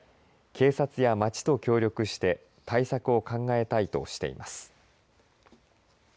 警察や町と協力して対策を考えたいとしています。